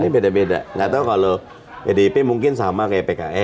because even dinosaur d medida bener mungkin sama kayak pk